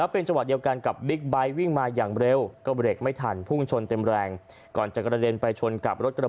พรุ่งชนเต็มแรงก่อนจะกระเด็นไปชนกับรถกระบะ